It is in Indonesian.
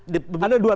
ada dua tahap